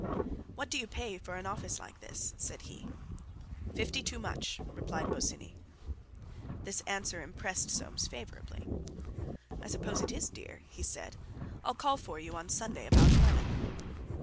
"What do you pay for an office like this?" said he. "Fifty too much," replied Bosinney. This answer impressed Soames favourably. "I suppose it is dear," he said. "I'll call for you—on Sunday about eleven."